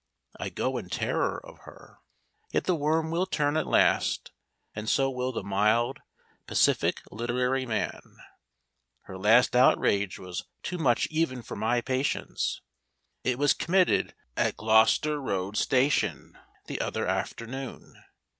I go in terror of her. Yet the worm will turn at last, and so will the mild, pacific literary man. Her last outrage was too much even for my patience. It was committed at Gloucester Road Station the other afternoon.